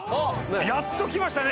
やっと来ましたね！